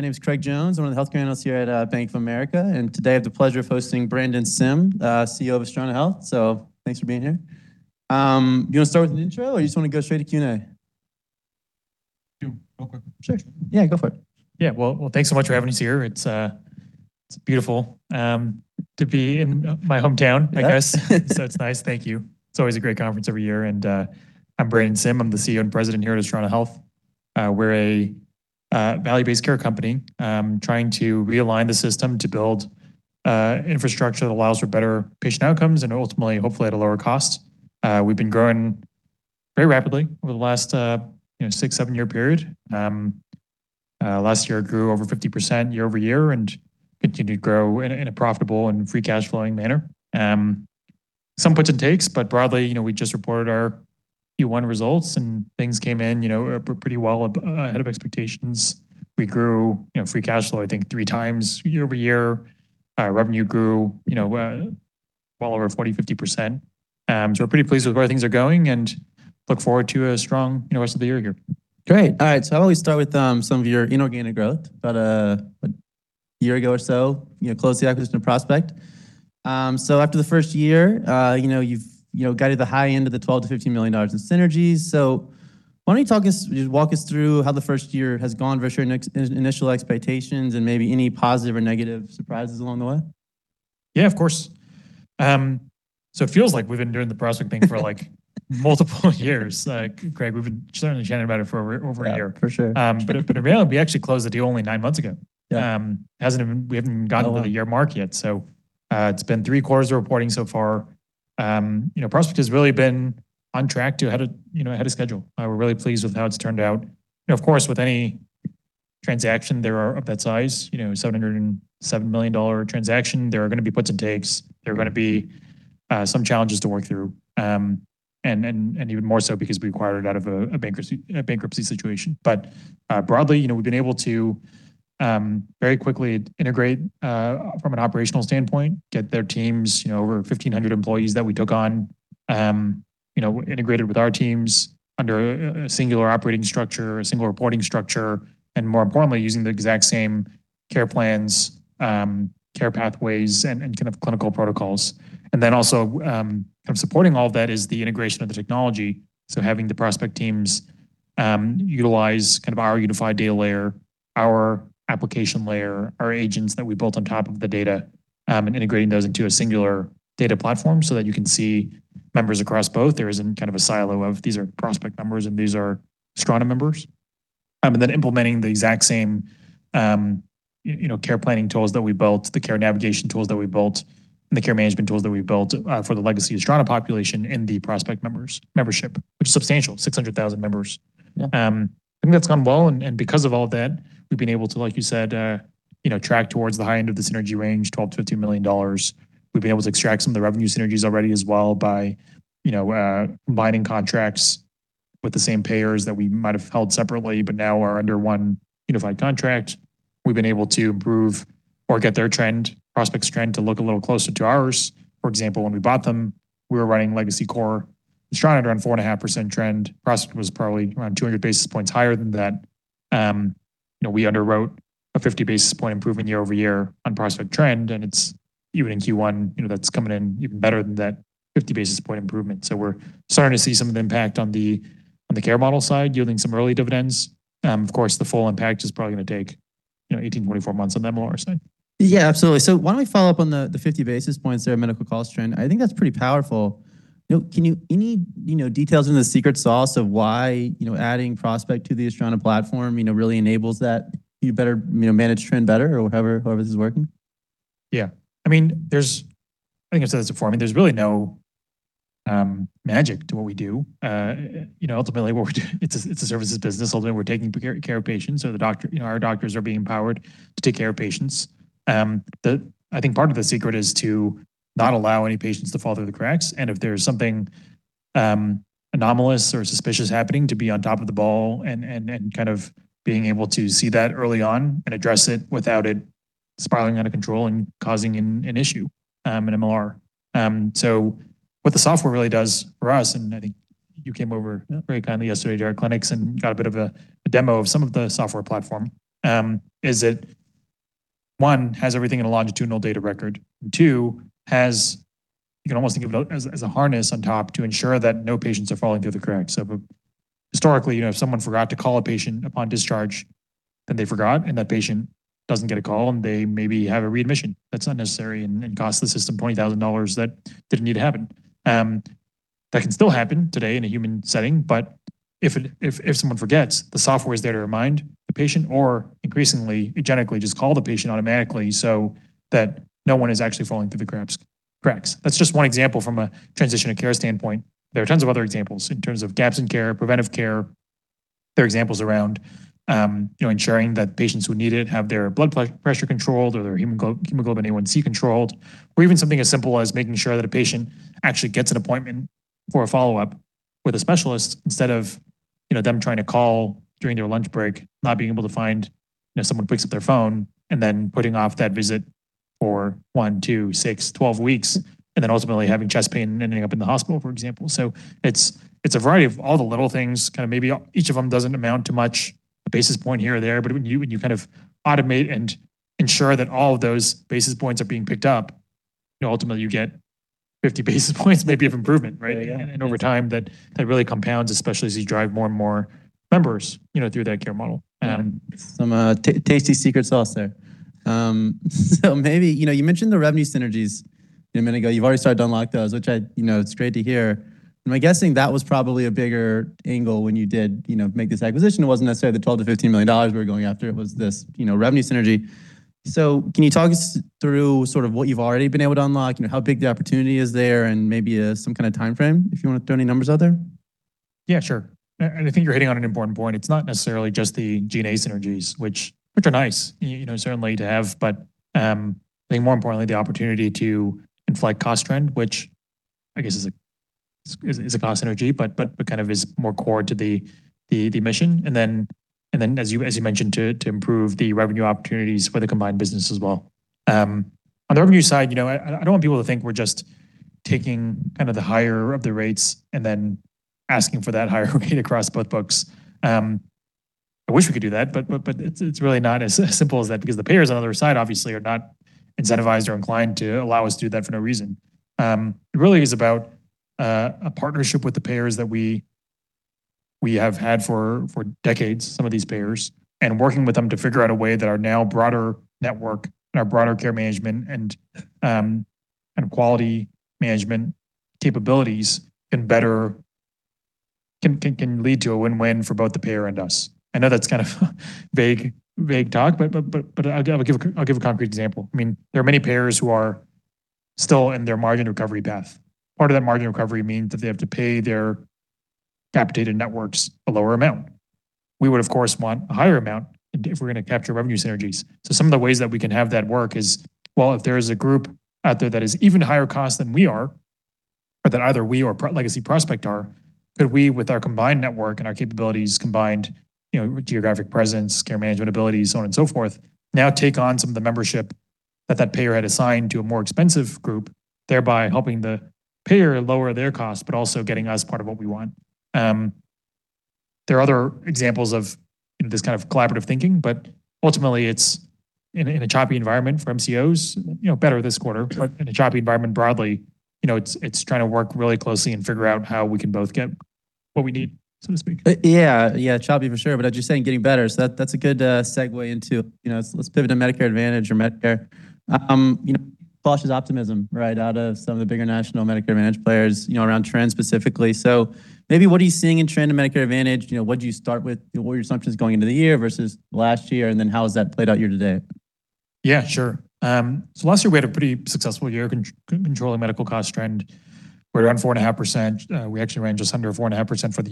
My name is Craig Jones. I'm one of the healthcare analysts here at Bank of America, and today, I have the pleasure of hosting Brandon Sim, CEO of Astrana Health. So, thanks for being here. Do you wanna start with an intro, or do you just wanna go straight to Q&A? Sure. Real quick. Sure. Yeah, go for it. Yeah. Well, thanks so much for having us here. It's, it's beautiful to be in my hometown, I guess. Yeah. It's nice. Thank you. It's always a great conference every year and I'm Brandon Sim. I'm the CEO and President here at Astrana Health. We're a value-based care company, trying to realign the system to build infrastructure that allows for better patient outcomes and ultimately, hopefully at a lower cost. We've been growing very rapidly over the last, you know, six, seven-year period. Last year, it grew over 50% year-over-year and continued to grow in a profitable and free cash flowing manner. Some puts and takes, but broadly, you know, we just reported our Q1 results, and things came in, you know, pretty well ahead of expectations. We grew, you know, free cash flow, I think three times year-over-year. Our revenue grew, you know, well over 40%, 50%. We're pretty pleased with the way things are going and look forward to a strong, you know, rest of the year here. Great. All right, why don't we start with some of your inorganic growth. About a year ago or so, you know, closed the acquisition of Prospect. After the first year, you know, you've, you know, guided the high end of the $12 million-$15 million in synergies. Why don't you walk us through how the first year has gone versus your initial expectations and maybe any positive or negative surprises along the way? Yeah, of course. It feels like we've been doing the Prospect thing for like multiple years. Like, Craig, we've been certainly chatting about it for over a year. Yeah, for sure. In reality, we actually closed the deal only nine months ago. Yeah. We haven't even gotten. Not long. To the year mark yet, so it's been three quarters of reporting so far. You know, Prospect has really been on track to ahead of, you know, ahead of schedule. We're really pleased with how it's turned out. You know, of course, with any transaction, there are, of that size, you know, $707 million transaction, there are gonna be puts and takes. There are gonna be some challenges to work through. And even more so because we acquired it out of a bankruptcy situation. But broadly, you know, we've been able to very quickly integrate from an operational standpoint, get their teams, you know, over 1,500 employees that we took on, you know, integrated with our teams under a singular operating structure, a single reporting structure, and more importantly, using the exact same care plans, care pathways and kind of clinical protocols. Also, kind of supporting all of that is the integration of the technology, so having the Prospect teams utilize kind of our unified data layer, our application layer, our agents that we built on top of the data, and integrating those into a singular data platform so that you can see members across both. There isn't kind of a silo of these are Prospect members and these are Astrana members. Then, implementing the exact same, you know, care planning tools that we built, the care navigation tools that we built, and the care management tools that we built for the legacy Astrana population and the Prospect members, membership, which is substantial, 600,000 members. Yeah. I think that's gone well and because of all of that, we've been able to, like you said, you know, track towards the high end of the synergy range, $12 million-$15 million. We've been able to extract some of the revenue synergies already as well by, you know, combining contracts with the same payers that we might have held separately, but now are under one unified contract. We've been able to improve or get their trend, Prospect's trend to look a little closer to ours. For example, when we bought them, we were running legacy core. Astrana had around 4.5% trend. Prospect was probably around 200 basis points higher than that. You know, we underwrote a 50-basis point improvement year-over-year on Prospect trend, and it's, even in Q1, you know, that's coming in even better than that 50-basis point improvement. We're starting to see some of the impact on the, on the care model side, yielding some early dividends. Of course, the full impact is probably gonna take, you know, 18, 24 months on that more side. Yeah, absolutely. Why don't we follow up on the 50 basis points there, medical cost trend. I think that's pretty powerful. You know, any, you know, details into the secret sauce of why, you know, adding Prospect to the Astrana platform, you know, really enables that, you better, you know, manage trend better or whatever, however this is working? Yeah. I mean, I think I've said this before. I mean, there's really no magic to what we do. You know, ultimately what we're doing, it's a services business. Ultimately, we're taking care of patients. You know, our doctors are being empowered to take care of patients. I think part of the secret is to not allow any patients to fall through the cracks, and if there's something anomalous or suspicious happening, to be on top of the ball and kind of being able to see that early on and address it without it spiraling out of control and causing an issue, an MLR. What the software really does for us, and I think you came over very kindly yesterday to our clinics and got a bit of a demo of some of the software platform, is it, one, has everything in a longitudinal data record, and two, has, you can almost think of it as a harness on top to ensure that no patients are falling through the cracks. Historically, you know, if someone forgot to call a patient upon discharge, then they forgot, and that patient doesn't get a call, and they maybe have a readmission. That's unnecessary and costs the system $20,000 that didn't need to happen. That can still happen today in a human setting, but if someone forgets, the software is there to remind the patient or increasingly, it generally just call the patient automatically so that no one is actually falling through the cracks. That's just one example from a transition of care standpoint. There are tons of other examples in terms of gaps in care, preventive care. There are examples around, you know, ensuring that patients who need it have their blood pressure controlled or their hemoglobin A1c controlled, or even something as simple as making sure that a patient actually gets an appointment for a follow-up with a specialist instead of, you know, them trying to call during their lunch break, not being able to find, you know, someone who picks up their phone, and then putting off that visit for one, two, six, 12 weeks, and then ultimately having chest pain and ending up in the hospital, for example. It's a variety of all the little things, kind of maybe each of them doesn't amount to much, a basis point here or there. But when you kind of automate and ensure that all of those basis points are being picked up, you know, ultimately you get 50 basis points maybe of improvement, right? Yeah, yeah. Over time, that really compounds, especially as you drive more and more members, you know, through that care model. Some tasty secret sauce there. Maybe, you know, you mentioned the revenue synergies a minute ago. You've already started to unlock those, which I, you know, it's great to hear. Am I guessing that was probably a bigger angle when you did, you know, make this acquisition? It wasn't necessarily the $12 million-$15 million we were going after. It was this, you know, revenue synergy. Can you talk us through sort of what you've already been able to unlock? You know, how big the opportunity is there, and maybe some kind of timeframe, if you want to throw any numbers out there? Yeah, sure. I think you're hitting on an important point. It's not necessarily just the G&A synergies, which are nice, you know, certainly to have. But I think more importantly, the opportunity to inflate cost trend, which I guess is a cost synergy, but kind of is more core to the mission. Then, as you mentioned, to improve the revenue opportunities for the combined business as well. On the revenue side, you know, I don't want people to think we're just taking kind of the higher of the rates and then asking for that higher rate across both books. I wish we could do that, but it's really not as simple as that because the payers on the other side obviously are not incentivized or inclined to allow us to do that for no reason. It really is about a partnership with the payers that we have had for decades, some of these payers, and working with them to figure out a way that our now broader network and our broader care management and quality management capabilities and better, can lead to a win-win for both the payer and us. I know that's kind of vague talk, but I'll give a concrete example. I mean, there are many payers who are still in their margin recovery path. Part of that margin recovery means that they have to pay their capitated networks a lower amount. We would of course want a higher amount if we're gonna capture revenue synergies. Some of the ways that we can have that work is, well, if there is a group out there that is even higher cost than we are, or that either we or legacy Prospect are, could we, with our combined network and our capabilities combined, you know, geographic presence, care management abilities, so on and so forth, now take on some of the membership that that payer had assigned to a more expensive group, thereby helping the payer lower their costs, but also getting us part of what we want. There are other examples of this kind of collaborative thinking, but ultimately, it's in a, in a choppy environment for MCOs, you know, better this quarter, but in a choppy environment broadly. You know, it's trying to work really closely and figure out how we can both get what we need, so to speak. Yeah, choppy for sure, but as you're saying, getting better. That's a good segue into, you know, let's pivot to Medicare Advantage or Medicare. You know, cautious optimism right out of some of the bigger national Medicare Advantage players, you know, around trend specifically. Maybe, what are you seeing in trend in Medicare Advantage? You know, what do you start with? What were your assumptions going into the year versus last year? How has that played out year-to-date? Yeah, sure. Last year, we had a pretty successful year controlling medical cost trend. We're around 4.5%. We actually ran just under 4.5% for the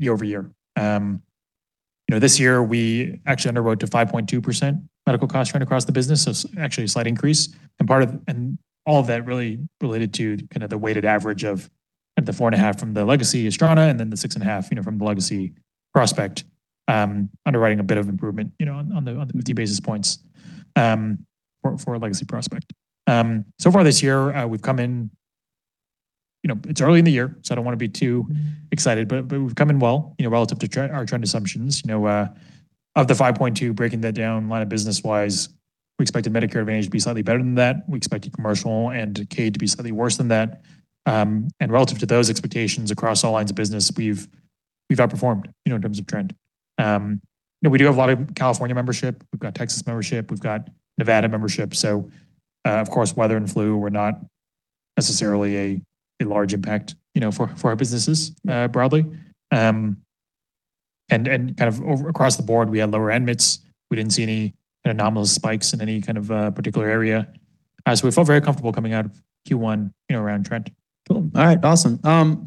year-over-year. You know, this year, we actually underwrote to 5.2% medical cost trend across the business. It's actually a slight increase. All of that really related to kind of the weighted average of the 4.5% from the legacy Astrana and then the 6.5%, you know, from the legacy Prospect, underwriting a bit of improvement, you know, on the 50 basis points for legacy Prospect. So far this year, we've come in, you know, it's early in the year, so I don't want to be too excited, but we've come in well, you know, relative to trend, our trend assumptions. You know, of the 5.2%, breaking that down line of business-wise, we expected Medicare Advantage to be slightly better than that. We expected commercial and Medicaid to be slightly worse than that. Relative to those expectations across all lines of business, we've outperformed, you know, in terms of trend. You know, we do have a lot of California membership. We've got Texas membership. We've got Nevada membership. So, of course, weather and flu were not necessarily a large impact, you know, for our businesses, broadly. Across the board, we had lower admits. We didn't see any anomalous spikes in any kind of particular area. We felt very comfortable coming out of Q1, you know, around trend. Cool. All right. Awesome.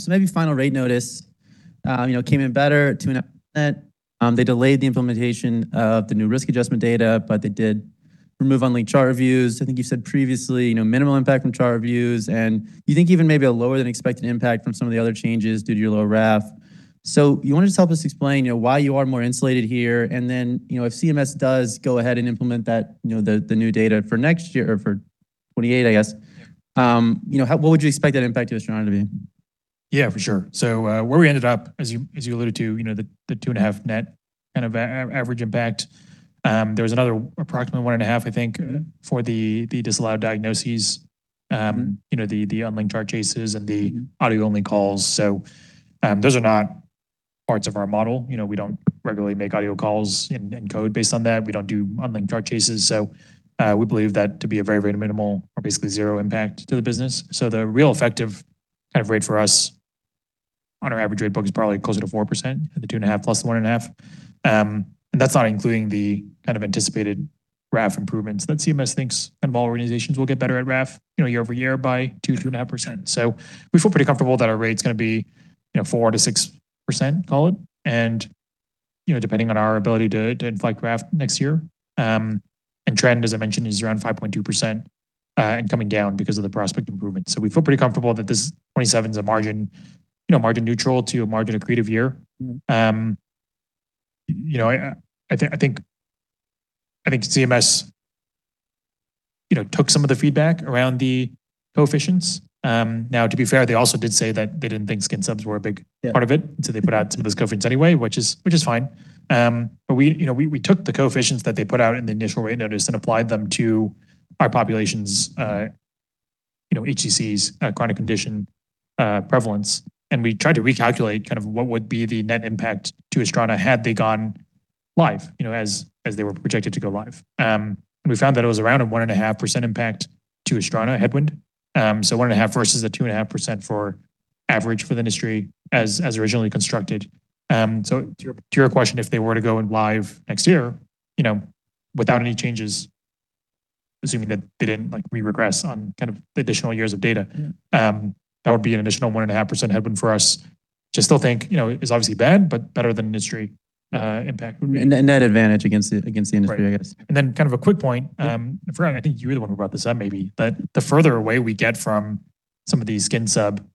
Maybe final rate notice, you know, came in better at 2.5%. They delayed the implementation of the new risk adjustment data, but they did remove unlinked chart reviews. I think you said previously, you know, minimal impact from chart reviews, and you think even maybe a lower-than-expected impact from some of the other changes due to your lower RAF. So, you want to just help us explain, you know, why you are more insulated here, and then, you know, if CMS does go ahead and implement that, you know, the new data for next year or for 2028, I guess. Yeah. You know, what would you expect that impact to Astrana to be? Yeah, for sure. Where we ended up, as you, as you alluded to, you know, the 2.5% net kind of average impact, there was another approximately 1.5%, I think, for the disallowed diagnoses, you know, the unlinked chart chases and the audio-only calls. So, those are not parts of our model, you know, we don't regularly make audio calls and code based on that. We don't do unlinked chart chases. We believe that to be a very, very minimal or basically zero impact to the business. The real effective kind of rate for us on our average rate book is probably closer to 4%, the 2.5% plus the 1.5%. That's not including the kind of anticipated RAF improvements that CMS thinks kind of all organizations will get better at RAF, you know, year-over-year by 2.5%. We feel pretty comfortable that our rate's gonna be, you know, 4%-6%, call it, and depending on our ability to inflate RAF next year. And trend, as I mentioned, is around 5.2%, and coming down because of the Prospect improvement. We feel pretty comfortable that this 2027 is a margin, you know, margin neutral to a margin accretive year. You know, I think CMS, you know, took some of the feedback around the coefficients. Now to be fair, they also did say that they didn't think skin subs were a big. Yeah. Part of it, so they put out some of those coefficients anyway, which is fine. We, you know, we took the coefficients that they put out in the initial rate notice and applied them to our population's, you know, HCCs, chronic condition prevalence, and we tried to recalculate kind of what would be the net impact to Astrana had they gone live, you know, as they were projected to go live. We found that it was around a 1.5% impact to Astrana headwind. So, 1.5% versus the 2.5% for average for the industry as originally constructed. To your question, if they were to go live next year, you know, without any changes, assuming that they didn't, like, re-regress on kind of the additional years of data. Yeah. That would be an additional 1.5% headwind for us to still think, you know, is obviously bad, but better than industry impact would be. A net advantage against the industry, I guess. Right. Kind of a quick point. I think you were the one who brought this up maybe, but the further away we get from some of these skin sub,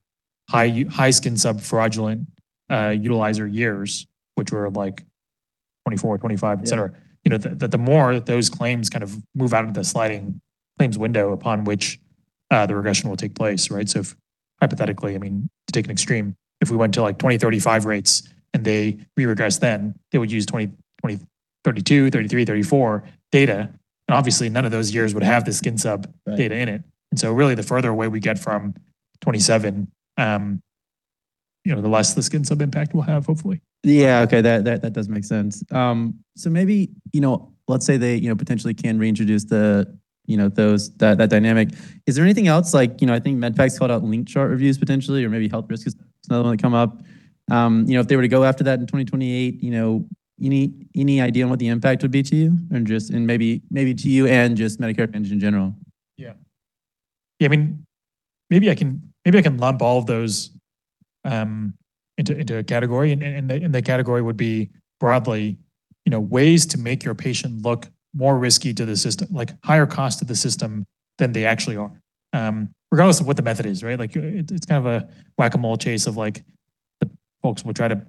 high skin sub fraudulent utilizer years, which were like 2024, 2025 et cetera. Yeah. You know, the more that those claims kind of move out into the sliding claims window upon which the regression will take place, right? If hypothetically, I mean, to take an extreme, if we went to like 2035 rates and they re-regress then, they would use 2032, 2033, 2034 data, and obviously none of those years would have the skin sub. Right. Data in it. So, really, the further away we get from 2027, you know, the less the skin sub impact we'll have, hopefully. Yeah. Okay. That does make sense. Maybe, you know, let's say they, you know, potentially can reintroduce the, you know, those, that dynamic. Is there anything else like, you know, I think MedPAC's called out linked chart reviews potentially or maybe health risk is another one that come up. You know, if they were to go after that in 2028, you know, any idea on what the impact would be to you? And just, and maybe to you and just Medicare Advantage in general. Yeah. Yeah, I mean, maybe I can lump all of those into a category and the category would be broadly, you know, ways to make your patient look more risky to the system, like higher cost to the system than they actually are, regardless of what the method is, right? Like it's kind of a whack-a-mole chase of like the folks will try to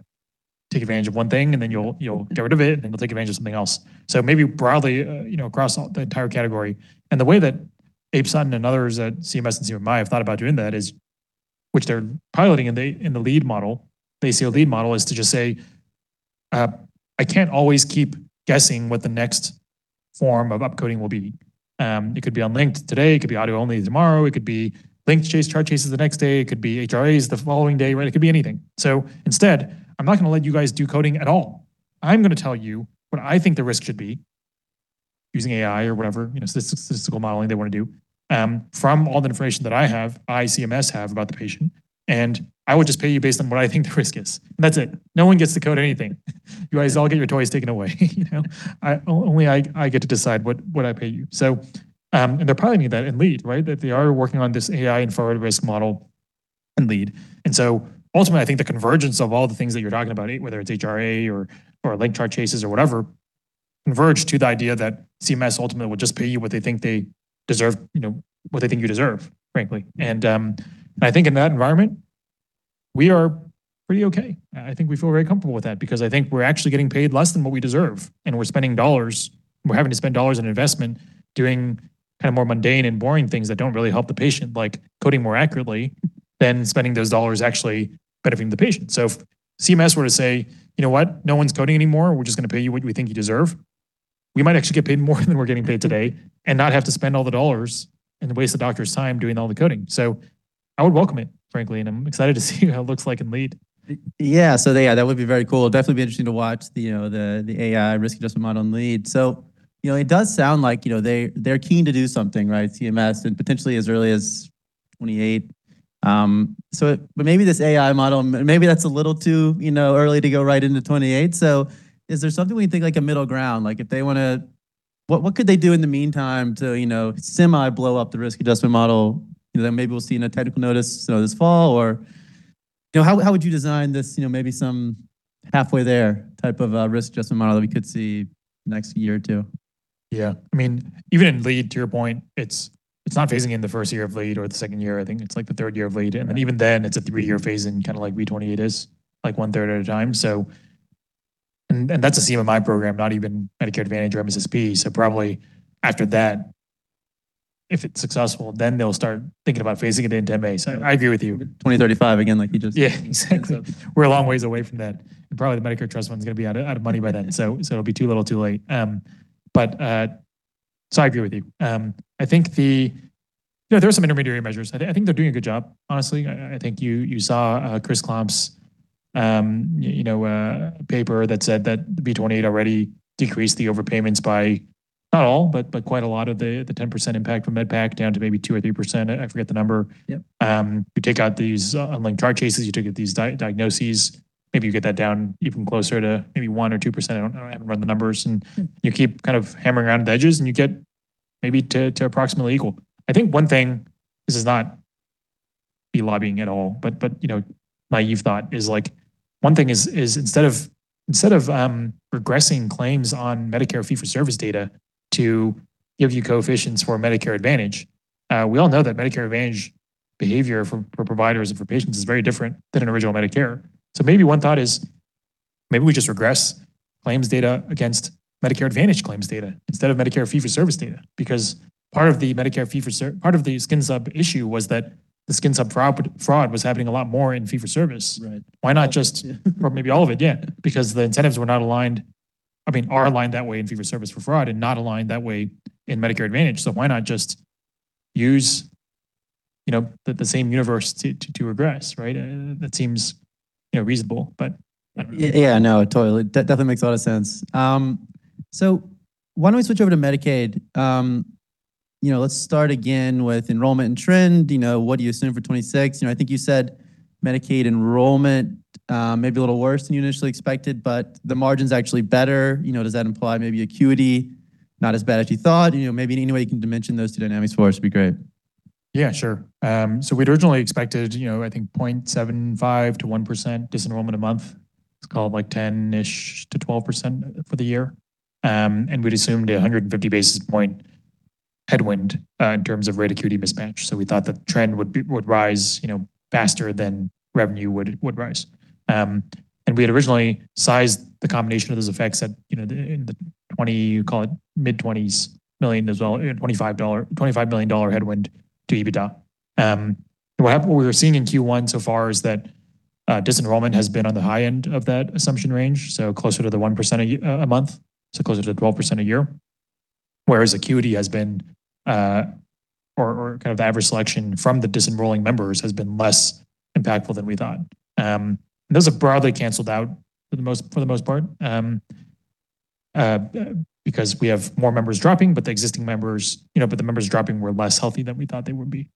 take advantage of one thing and then you'll get rid of it, and they'll take advantage of something else. Maybe broadly, you know, across all the entire category and the way that Abe Sutton and others at CMS and CMMI have thought about doing that is, which they're piloting in the LEAD model, the ACO LEAD model, is to just say, "I can't always keep guessing what the next form of upcoding will be. It could be on linked today, it could be audio only tomorrow, it could be linked chase chart chases the next day. It could be HRAs the following day," right? It could be anything. Instead, I'm not gonna let you guys do coding at all. I'm gonna tell you what I think the risk should be using AI or whatever, you know, statistical modeling they wanna do, from all the information that I have, CMS have about the patient, and I would just pay you based on what I think the risk is, and that's it. No one gets to code anything. You guys all get your toys taken away, you know? Only I get to decide what I pay you. They're piloting that in LEAD, right? They are working on this AI inferred risk model in LEAD. Ultimately, I think the convergence of all the things that you're talking about, whether it's HRA or linked chart chases or whatever, converge to the idea that CMS ultimately will just pay you what they think they deserve, you know, what they think you deserve, frankly. I think in that environment, we are pretty okay. I think we feel very comfortable with that because I think we're actually getting paid less than what we deserve, and we're spending dollars, we're having to spend dollars on investment doing kind of more mundane and boring things that don't really help the patient, like coding more accurately than spending those dollars actually benefiting the patient. If CMS were to say, "You know what? No one's coding anymore. We're just gonna pay you what we think you deserve," we might actually get paid more than we're getting paid today and not have to spend all the dollars and the waste of doctors' time doing all the coding. So, I would welcome it, frankly, and I'm excited to see how it looks like in LEAD. Yeah, that would be very cool. Definitely be interesting to watch the, you know, the AI risk adjustment model in LEAD. You know, it does sound like, you know, they're keen to do something, right, CMS and potentially as early as 2028. But maybe this AI model, maybe that's a little too, you know, early to go right into 2028. Is there something we can think like a middle ground? Like if they want, what could they do in the meantime to, you know, semi blow up the risk adjustment model that maybe we'll see in a technical notice, you know, this fall? Or, you know, how would you design this, you know, maybe some halfway there type of a risk adjustment model that we could see next year or two? Yeah. I mean, even in LEAD, to your point, it's not phasing in the first year of LEAD or the second year. I think it's like the third year of LEAD, and even then, it's a three-year phase-in kind of like V28 is, like 1/3 at a time. That's a CMMI program, not even Medicare Advantage or MSSP. Probably after that, if it's successful, then they'll start thinking about phasing it into MA. I agree with you. 2035 again, like you just. Yeah. Exactly. We're a long ways away from that, and probably the Medicare trust fund's gonna be out of money by then, so it'll be too little too late. So, I agree with you. I think the, you know, there are some intermediary measures. I think they're doing a good job, honestly. I think you saw Chris Klomp's, you know, paper that said that V28 already decreased the overpayments by not all, but quite a lot of the 10% impact from MedPAC down to maybe 2% or 3%. I forget the number. Yep. You take out these unlinked chart chases, you take out these diagnoses, maybe you get that down even closer to maybe 1% or 2%. I don't know, I haven't run the numbers. You keep kind of hammering around the edges, and you get maybe to approximately equal. I think one thing, this is not me lobbying at all, but, you know, my youth thought is like one thing is instead of regressing claims on Medicare fee-for-service data to give you coefficients for Medicare Advantage, we all know that Medicare Advantage behavior for providers and for patients is very different than original Medicare, so maybe one thought is maybe we just regress claims data against Medicare Advantage claims data instead of Medicare fee-for-service data. Because part of the Medicare fee-for-service, part of the skin sub issue was that the skin sub fraud was happening a lot more in fee-for-service. Right. Why not just. Yeah. Maybe all of it, yeah. The incentives were not aligned, I mean, are aligned that way in Medicare fee-for-service for fraud and not aligned that way in Medicare Advantage, so why not just use, you know, the same universe to regress, right? That seems, you know, reasonable, but I don't know. Yeah, no, totally. That definitely makes a lot of sense. Why don't we switch over to Medicaid? You know, let's start again with enrollment and trend. You know, what do you assume for 2026? You know, I think you said Medicaid enrollment may be a little worse than you initially expected, but the margin's actually better. You know, does that imply maybe acuity not as bad as you thought? You know, maybe any way you can dimension those two dynamics for us would be great. Yeah, sure. We'd originally expected, you know, I think 0.75% to 1% disenrollment a month. It's called like 10-ish% to 12% for the year. We'd assumed 150 basis point headwind in terms of rate acuity mismatch. We thought the trend would rise, you know, faster than revenue would rise. We had originally sized the combination of those effects at, you know, call it, mid-20s, $25 million headwind to EBITDA. What happened, what we're seeing in Q1 so far is that disenrollment has been on the high end of that assumption range, so closer to 1% a month, so closer to 12% a year. Whereas acuity has been, or kind of average selection from the disenrolling members has been less impactful than we thought. Those have broadly canceled out for the most part, because we have more members dropping, but the existing members, you know, the members dropping were less healthy than we thought they would be.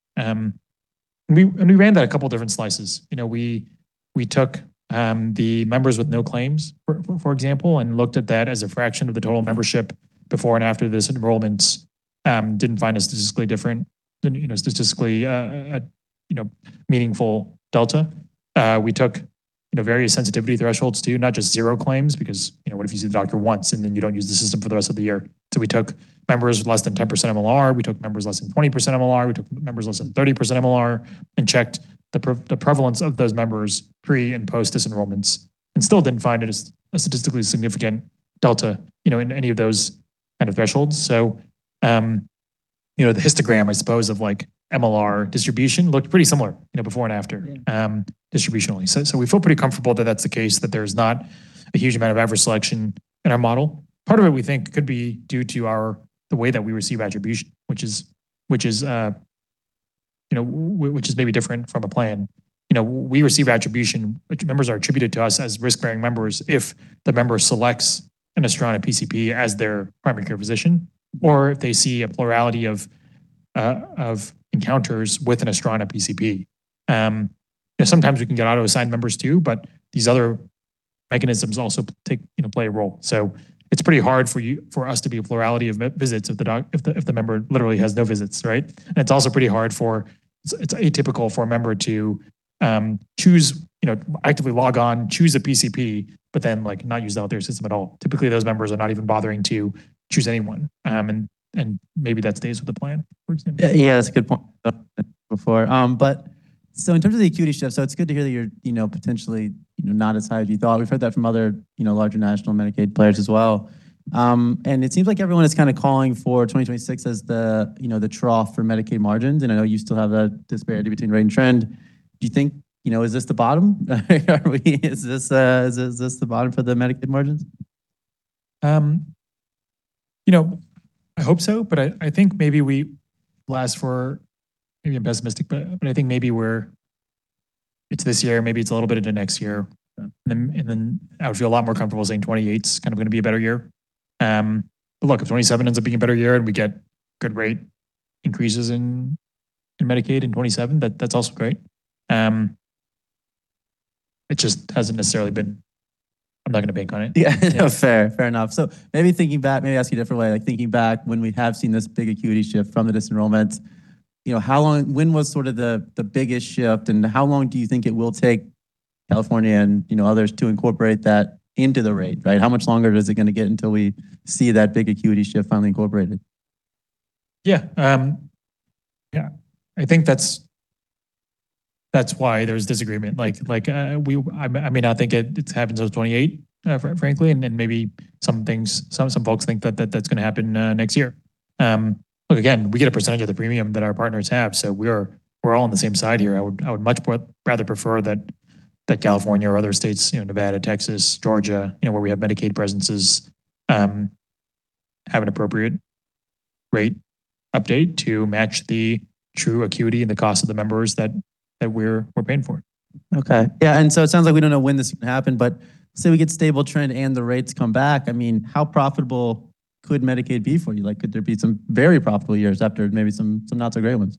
We ran that a couple different slices. You know, we took the members with no claims, for example, and looked at that as a fraction of the total membership before and after these enrollments, didn't find a statistically different than, you know, statistically, you know, meaningful delta. We took, you know, various sensitivity thresholds too, not just zero claims because, you know, what if you see the doctor once and then you don't use the system for the rest of the year? We took members with less than 10% MLR. We took members less than 20% MLR. We took members less than 30% MLR, and checked the prevalence of those members pre and post disenrollments and still didn't find a statistically significant delta, you know, in any of those kinds of thresholds. The histogram, I suppose, of like MLR distribution looked pretty similar, you know, before and after. Yeah. Distributionally. We feel pretty comfortable that that's the case, that there's not a huge amount of average selection in our model. Part of it we think could be due to our, the way that we receive attribution, which is, which is, you know, which is maybe different from a plan. You know, we receive attribution, which members are attributed to us as risk-bearing members if the member selects an Astrana and a PCP as their primary care physician, or if they see a plurality of encounters with an Astrana and a PCP. You know, sometimes we can get auto-assigned members too, but these other mechanisms also take, you know, play a role. It's pretty hard for you, for us to be a plurality of visits if the member literally has no visits, right? It's also pretty hard for, it's atypical for a member to choose, you know, actively log on, choose a PCP, but then like not use the health care system at all. Typically, those members are not even bothering to choose anyone, and maybe that stays with the plan for example. Yeah, that's a good point before. But in terms of the acuity shift, so it's good to hear that you're, you know, potentially, you know, not as high as you thought. We've heard that from other, you know, larger national Medicaid players as well. It seems like everyone is kind of calling for 2026 as the, you know, the trough for Medicaid margins, and I know you still have that disparity between rate and trend. Do you think, you know, is this the bottom? Is this the bottom for the Medicaid margins? You know, I hope so, but I think maybe we last for, maybe I'm pessimistic, but I think maybe we're, it's this year, maybe it's a little bit into next year. Then, I would feel a lot more comfortable saying 2028's kind of gonna be a better year. Look, if 2027 ends up being a better year and we get good rate increases in Medicaid in 2027, that's also great. It just hasn't necessarily been, I'm not gonna bank on it. Yeah. Fair enough. Maybe thinking back, maybe ask you a different way, like thinking back when we have seen this big acuity shift from the disenrollments, you know, how long, when was sort of the biggest shift, and how long do you think it will take California and, you know, others to incorporate that into the rate, right? How much longer is it gonna get until we see that big acuity shift finally incorporated? Yeah. I think that's why there's disagreement. I mean, I think it happens in 2028, frankly. Maybe some folks think that's gonna happen next year. Look, again, we get a percentage of the premium that our partners have, so we're all on the same side here. I would much more rather prefer that California or other states, you know, Nevada, Texas, Georgia, you know, where we have Medicaid presences, have an appropriate rate update to match the true acuity and the cost of the members that we're paying for. Okay. Yeah, it sounds like we don't know when this happened, but say we get stable trend and the rates come back, I mean, how profitable could Medicaid be for you? Like, could there be some very profitable years after maybe some not so great ones?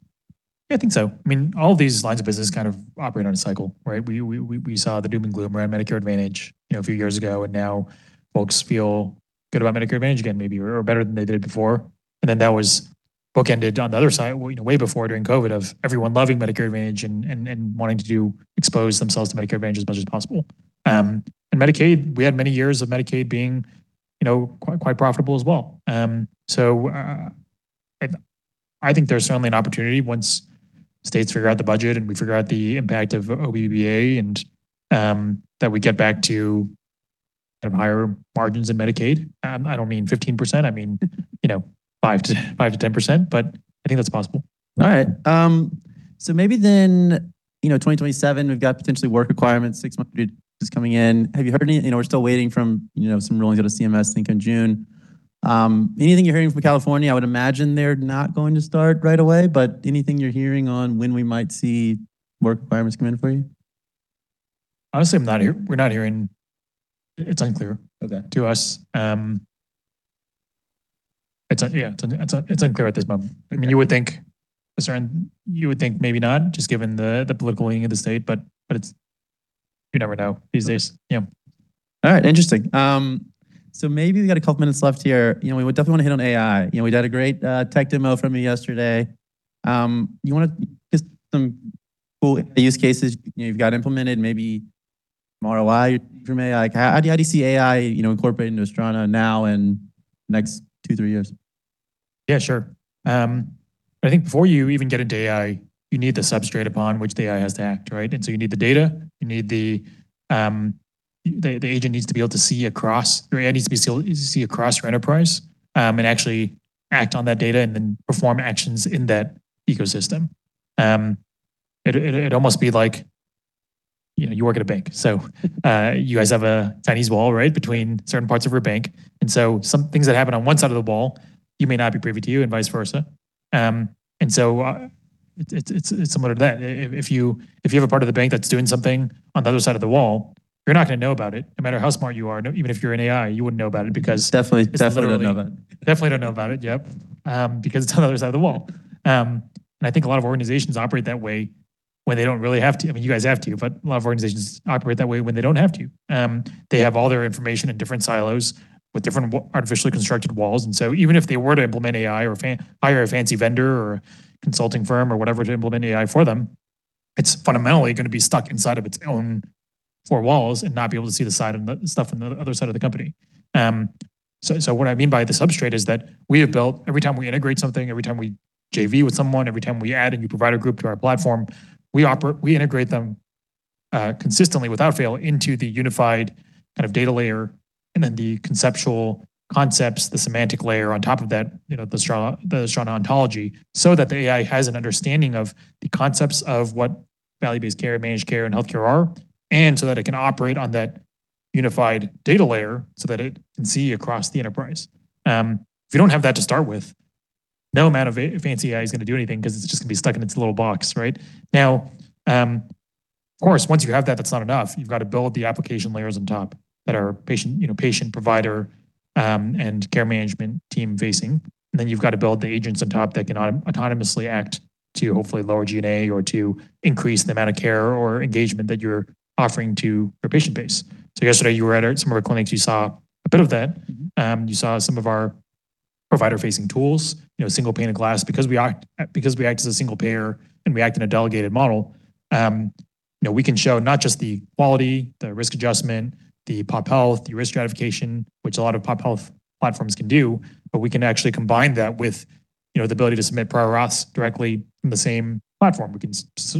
Yeah, I think so. I mean, all these lines of business kind of operate on a cycle, right? We saw the doom and gloom around Medicare Advantage, you know, a few years ago, and now folks feel good about Medicare Advantage again, maybe or better than they did before. That was bookended on the other side, you know, way before during COVID of everyone loving Medicare Advantage and wanting to expose themselves to Medicare Advantage as much as possible. Medicaid, we had many years of Medicaid being, you know, quite profitable as well. I think there's certainly an opportunity once states figure out the budget and we figure out the impact of OBBA and that we get back to higher margins in Medicaid. I don't mean 15%, I mean, you know, 5%-10%, but I think that's possible. All right. Maybe then, you know, 2027, we've got potentially work requirements, six months is coming in. You know, we're still waiting from, you know, some rulings out of CMS, I think in June. Anything you're hearing from California? I would imagine they're not going to start right away. But anything you're hearing on when we might see work requirements come in for you? Honestly, we're not hearing. Okay. It's unclear to us, it's unclear at this moment. I mean, you would think maybe not, just given the political leaning of the state, but it's, you never know these days. Yeah. All right. Interesting. Maybe we got a couple minutes left here. You know, we would definitely hit on AI. You know, we did a great tech demo from you yesterday. You wanna just some cool use cases you've got implemented, maybe ROI from AI. Like, how do you see AI, you know, incorporate into Astrana now and next two, three years? Yeah, sure. I think before you even get into AI, you need the substrate upon which the AI has to act, right? You need the data, you need the, the agent needs to be able to see across, or it needs to be able to see across your enterprise and actually act on that data and then perform actions in that ecosystem. It'd almost be like, you know, you work at a bank. You guys have a Chinese wall, right, between certain parts of your bank. Some things that happen on one side of the wall, you may not be privy to you and vice versa. It's similar to that If you have a part of the bank that is doing something on the other side of the wall, you are not going to know about it, no matter how smart you are. Even if you are an AI, you would not know about it because. Definitely don't know about it. Definitely don't know about it. Yep. Because it's on the other side of the wall. I think a lot of organizations operate that way when they don't really have to. I mean, you guys have to, but a lot of organizations operate that way when they don't have to. They have all their information in different silos with different artificially constructed walls. Even if they were to implement AI or hire a fancy vendor or consulting firm or whatever to implement AI for them, it's fundamentally gonna be stuck inside of its own four walls and not be able to see stuff on the other side of the company. So what I mean by the substrate is that we have built, every time we integrate something, every time we JV with someone, every time we add a new provider group to our platform, we integrate them consistently without fail into the unified kind of data layer, and then the conceptual concepts, the semantic layer on top of that, you know, the Astrana ontology, so that the AI has an understanding of the concepts of what value-based care, managed care, and healthcare are, and so that it can operate on that unified data layer so that it can see across the enterprise. If you don't have that to start with, no amount of fancy AI is gonna do anything 'cause it's just gonna be stuck in its little box, right? Now, of course, once you have that's not enough. You've got to build the application layers on top that are patient, you know, patient, provider, and care management team facing. You've got to build the agents on top that can autonomously act to hopefully lower G&A or to increase the amount of care or engagement that you're offering to your patient base. Yesterday, you were at some of our clinics, you saw a bit of that. You saw some of our provider-facing tools, you know, single pane of glass. Because we act as a single payer and we act in a delegated model, you know, we can show not just the quality, the risk adjustment, the pop health, the risk stratification, which a lot of pop health platforms can do, but we can actually combine that with, you know, the ability to submit prior auths directly in the same platform. We can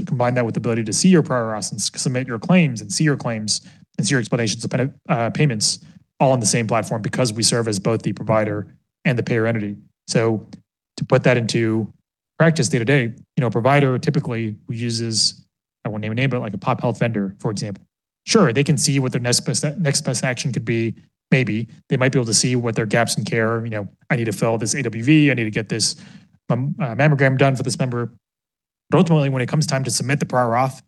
combine that with the ability to see your prior auths and submit your claims and see your claims and see your explanations of payments all on the same platform because we serve as both the provider and the payer entity. To put that into practice day-to-day, you know, a provider typically who uses, I won't name a name, but like a pop health vendor, for example. Sure, they can see what their next best action could be, maybe. They might be able to see what their gaps in care, you know, I need to fill this AWV, I need to get this mammogram done for this member. Ultimately, when it comes time to submit the prior auth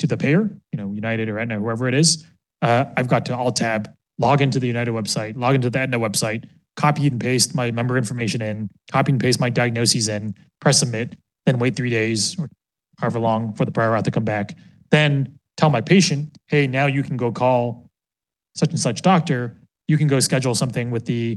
to the payer, you know, United or Aetna, whoever it is, I've got to alt tab, log into the United website, log into the Aetna website, copy and paste my member information in, copy and paste my diagnoses in, press submit, and wait three days or however long for the prior auth to come back. Then, tell my patient, "Hey, now you can go call such and such doctor. You can go schedule something with the,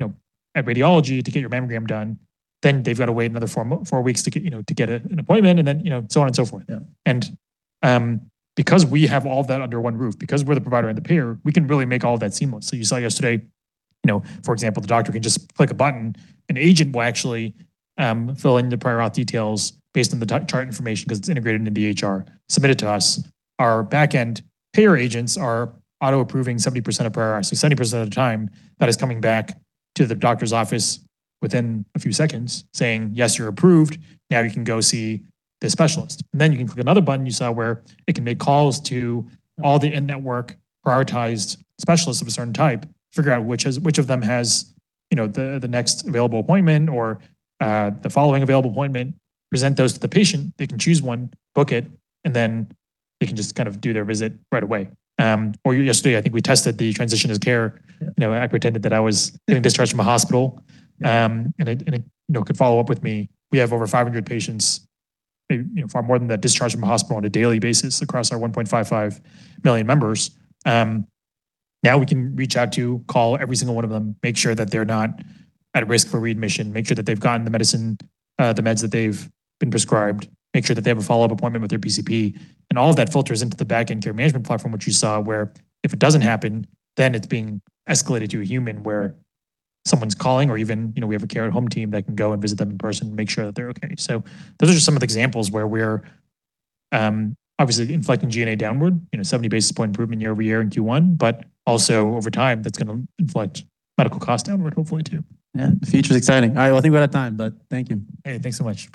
you know, at radiology to get your mammogram done." Then, they've got to wait another four weeks to get, you know, an appointment, you know, so on and so forth. Yeah. Because we have all that under one roof, because we're the provider and the payer, we can really make all of that seamless. You saw yesterday, you know, for example, the doctor can just click a button, an agent will actually fill in the prior auth details based on the chart information because it's integrated into EHR, submit it to us. Our back-end payer agents are auto-approving 70% of prior auths. 70% of the time, that is coming back to the doctor's office within a few seconds saying, "Yes, you're approved. Now you can go see this specialist." Then, you can click another button you saw where it can make calls to all the in-network prioritized specialists of a certain type, figure out which of them has, you know, the next available appointment or the following available appointment, present those to the patient. They can choose one, book it, then they can just kind of do their visit right away. Yesterday, I think we tested the transition of care. You know, I pretended that I was getting discharged from a hospital, it, you know, could follow up with me. We have over 500 patients, you know, far more than that, discharge from a hospital on a daily basis across our 1.55 million members. Now, we can reach out to call every single one of them, make sure that they're not at risk for readmission, make sure that they've gotten the medicine, the meds that they've been prescribed, make sure that they have a follow-up appointment with their PCP. All of that filters into the back-end care management platform, which you saw, where if it doesn't happen, then it's being escalated to a human where someone's calling or even, you know, we have a care-at-home team that can go and visit them in person, make sure that they're okay. Those are just some of the examples where we're obviously inflicting G&A downward, you know, 70 basis point improvement year-over-year in Q1, but also over time, that's gonna inflict medical costs downward hopefully too. Yeah. The future's exciting. All right. Well, I think we're out of time but thank you. Hey, thanks so much.